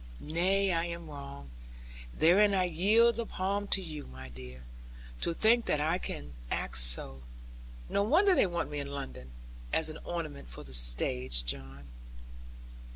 Nay, I am wrong; therein I yield the palm to you, my dear. To think that I can act so! No wonder they want me in London, as an ornament for the stage, John.'